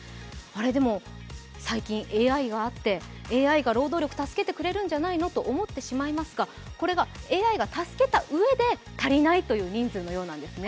でも、最近、ＡＩがあってＡＩが労働力を助けてくれるんじゃないのと思いますがこれが、ＡＩが助けたうえで足りないという人数なんですね。